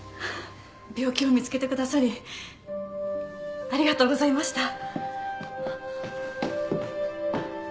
病気を見つけてくださりありがとうございました。